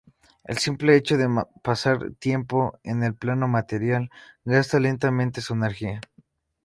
El simple hecho de pasar tiempo en el Plano Material gasta lentamente su energía.